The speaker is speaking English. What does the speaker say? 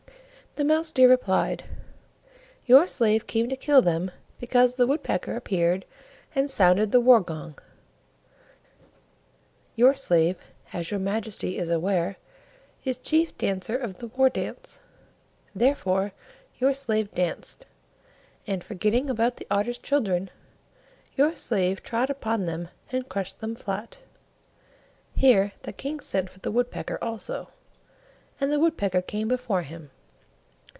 The Mouse deer replied, "Your slave came to kill them because the Woodpecker appeared and sounded the War gong. Your slave, as your Majesty is aware, is Chief Dancer of the War dance; therefore your slave danced, and, forgetting about the Otter's children, your slave trod upon them and crushed them flat." Here the King sent for the Woodpecker also, and the Woodpecker came before him.